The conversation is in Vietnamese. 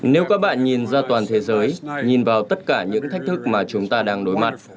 nếu các bạn nhìn ra toàn thế giới nhìn vào tất cả những thách thức mà chúng ta đang đối mặt